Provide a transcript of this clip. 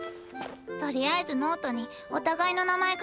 とりあえずノートにお互いの名前